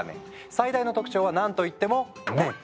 最大の特徴はなんと言っても麺。